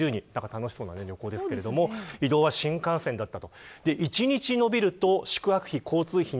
楽しそうな旅行ですが移動は新幹線だった。